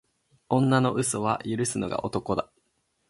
女の嘘は許すのが男だ。